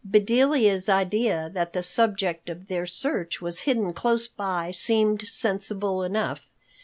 Bedelia's idea that the subject of their search was hidden close by seemed sensible enough.